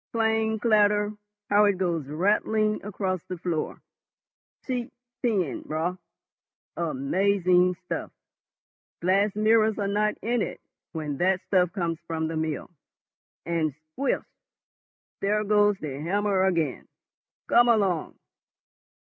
Clang, clatter, how it goes rattling across the floor! Sheet tin, Raut,—amazing stuff. Glass mirrors are not in it when that stuff comes from the mill. And, squelch!—there goes the hammer again. Come along!"